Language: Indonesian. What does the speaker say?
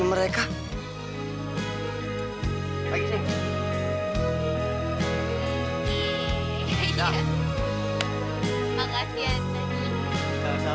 ini mereka lagi sih